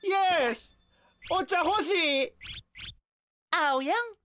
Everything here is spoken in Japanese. あおやん